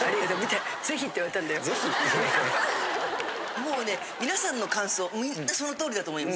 もうねみなさんの感想みんなその通りだと思います。